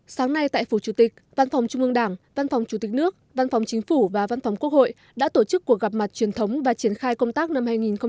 sáng nay tại phủ chủ tịch văn phòng trung ương đảng văn phòng chủ tịch nước văn phòng chính phủ và văn phòng quốc hội đã tổ chức cuộc gặp mặt truyền thống và triển khai công tác năm hai nghìn hai mươi